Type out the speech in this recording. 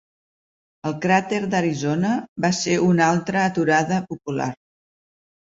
El Cràter d'Arizona va ser una altra aturada popular.